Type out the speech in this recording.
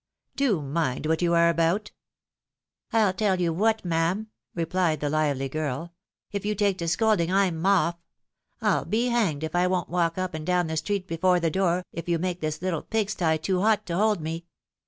Do mind what you are about." " rU tell you what, ma'am," replied the lively girl, " if you take to scolding, I'm off. I'll be hanged if I won't walk up and down the street before the door, if you make this little pig sty too hot to hold me."